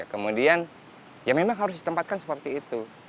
kemudian ya memang harus ditempatkan seperti itu